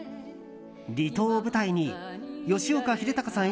離島を舞台に吉岡秀隆さん